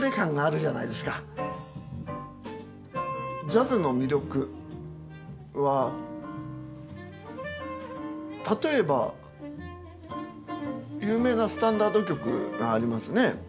ジャズの魅力は例えば有名なスタンダード曲がありますね。